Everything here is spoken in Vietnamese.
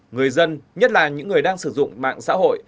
người dân nhất là những người đang sử dụng mạng xã hội